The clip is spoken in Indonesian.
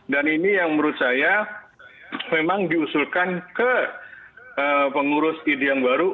dan ini yang menurut saya memang diusulkan ke pengurus id yang baru